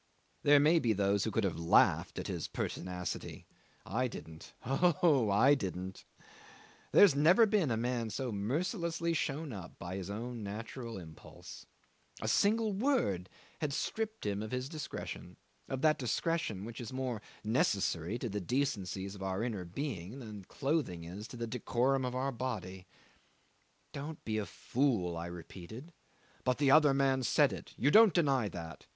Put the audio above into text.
'There may be those who could have laughed at his pertinacity; I didn't. Oh, I didn't! There had never been a man so mercilessly shown up by his own natural impulse. A single word had stripped him of his discretion of that discretion which is more necessary to the decencies of our inner being than clothing is to the decorum of our body. "Don't be a fool," I repeated. "But the other man said it, you don't deny that?"